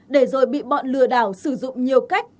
để rồi bị bọn lừa đảo sử dụng nhiều cách